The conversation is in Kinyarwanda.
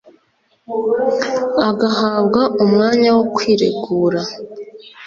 agahabwa umwanya wo kwiregura,